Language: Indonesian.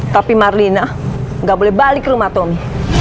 tapi marlina nggak boleh balik ke rumah tommy